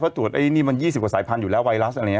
เพราะตรวจไอ้นี่มัน๒๐กว่าสายพันธุอยู่แล้วไวรัสอะไรอย่างนี้